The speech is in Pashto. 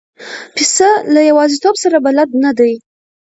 پسه له یوازیتوب سره بلد نه دی.